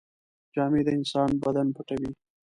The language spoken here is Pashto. جامې د انسان بدن پټوي.